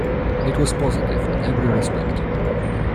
It was positive in every respect.